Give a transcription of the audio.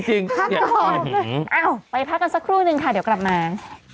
จริงอยากหอมเลยเอ้าไปพักกันสักครู่หนึ่งค่ะเดี๋ยวกลับมา